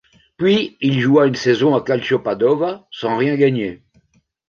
Puis il joua une saison à Calcio Padova, sans rien gagner.